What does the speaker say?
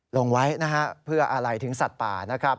ลงไว้นะฮะเพื่ออะไรถึงสัตว์ป่านะครับ